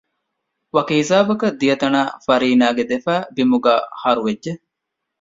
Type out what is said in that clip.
ވަކި ހިސާބަކަށް ދިޔަތަނާ ފަރީނާގެ ދެފައި ބިމުގައި ހަރުވެއްޖެ